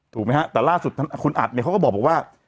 ถูกไหมฮะแต่ล่าสุดคุณอัดเนี่ยเขาก็บอกว่า